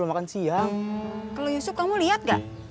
unfortunately mampus tuh mendudih